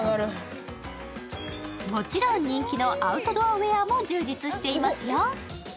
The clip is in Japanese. もちろん人気のアウトドアウエアも充実していますよ。